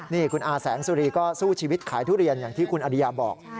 นี่คุณอาแสงสุรีก็สู้ชีวิตขายทุเรียนอย่างที่คุณอริยาบอก